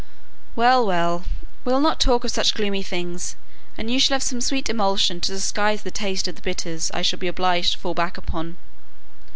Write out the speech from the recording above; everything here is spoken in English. "Well, well, we'll not talk of such gloomy things, and you shall have some sweet emulsion to disguise the taste of the bitters I shall be obliged to fall back upon."